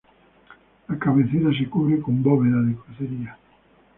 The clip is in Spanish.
La cabecera se cubre con bóveda de crucería.